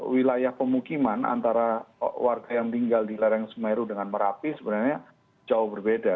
wilayah pemukiman antara warga yang tinggal di lereng semeru dengan merapi sebenarnya jauh berbeda